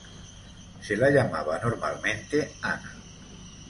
Se la llamaba normalmente Ana.